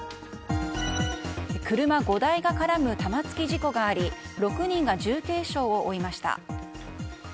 車５台が絡む玉突き事故があり６人が重軽傷を負いました。